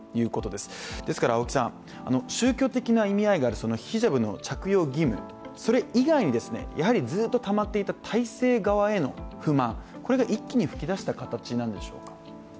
ですから宗教的な意味合いがあるヒジャブの着用義務、それ以外にずっとたまっていた体制側への不満が一気に噴き出した形なんでしょうか。